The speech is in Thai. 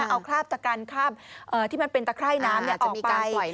เอาคราบตะกันคราบที่มันเป็นตะไคร่น้ำออกไป